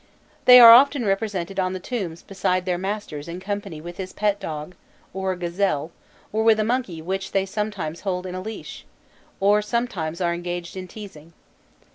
They are often represented on the tombs beside their masters in company with his pet dog, or a gazelle, or with a monkey which they sometimes hold in leash, or sometimes are engaged in teasing.